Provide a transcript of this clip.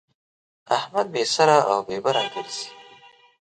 احمد بې سره او بې بره ګرځي.